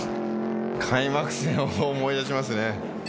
開幕戦を思い出しますね。